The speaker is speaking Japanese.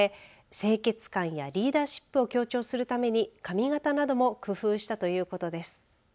清潔感やリーダーシップを強調するために髪形なども工夫したということです。